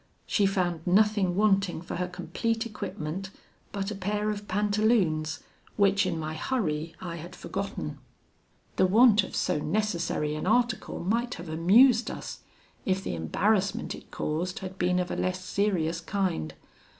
She found nothing wanting for her complete equipment but a pair of pantaloons, which in my hurry I had forgotten. "The want of so necessary an article might have amused us, if the embarrassment it caused had been of a less serious kind.